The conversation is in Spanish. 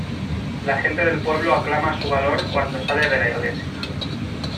La gente del pueblo aclama su valor cuando sale de la iglesia.